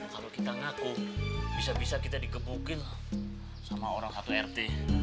kalau kita ngaku bisa bisa kita dikebukin sama orang satu rt